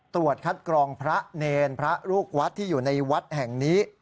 ตรวจคัดกรองพระเนรพระลูกวัดที่อยู่ในวัดแห่งนี้